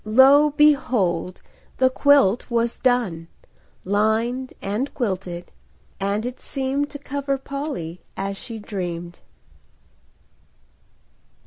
Lo, behold! the quilt was done,— Lined and quilted,—and it seemed To cover Polly as she dreamed!